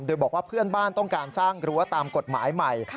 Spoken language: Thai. โดยบอกว่าเพื่อนบ้านต้องการสร้างรั้วตามกฎหมายใหม่